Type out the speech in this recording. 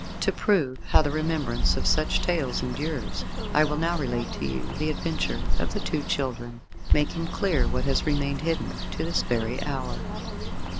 To prove how the remembrance of such tales endures, I will now relate to you the adventure of the Two Children, making clear what has remained hidden to this very hour.